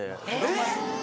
えっ！